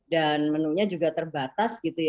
dan menunya juga terbatas